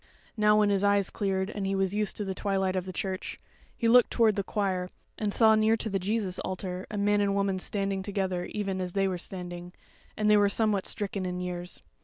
Now when his eyes cleared and he was used to the twilight of the church, he looked toward the choir, and saw near to the Jesus altar a man and a woman standing together even as they were standing, and they were somewhat stricken in years.